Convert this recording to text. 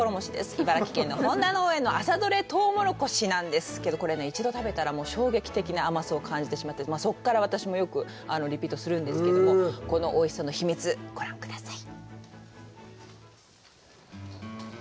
茨城県の本田農園の朝採れとうもろこしなんですけどこれ一度食べたら衝撃的な甘さを感じてしまってそっから私もよくリピートするんですけどもこのおいしさの秘密ご覧ください